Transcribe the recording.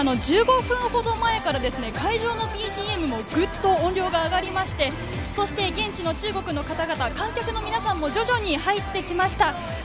１５分ほど前から会場のＢＧＭもグッと音量が上がりまして、現地の中国の方々、観客の皆さんも徐々に入ってきました。